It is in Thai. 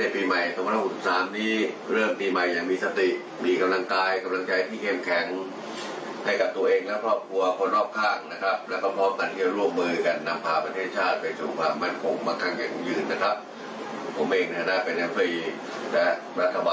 เพื่อพี่น้องก็จะชวนให้ทุกคนนะครับ